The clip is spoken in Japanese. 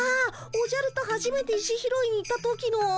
おじゃるとはじめて石拾いに行った時の？